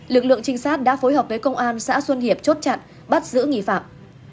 lực lượng trinh sát đã phối hợp với công an xã xuân hiệp chốt chặn bắt giữ nghi phạm